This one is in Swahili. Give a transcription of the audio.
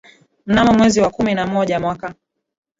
Mnamo mwezi wa kumi na moja mwaka